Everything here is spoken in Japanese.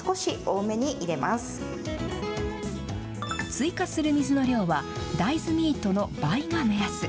追加する水の量は、大豆ミートの倍が目安。